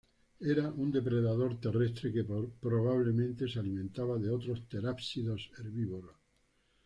Era un depredador terrestre que probablemente se alimentaba de otros terápsidos herbívoros.